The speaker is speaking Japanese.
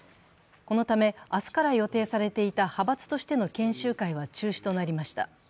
このため明日から予定されていた派閥としての研修会は中止となりました。